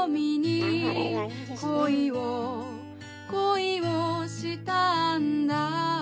「恋をしたんだ」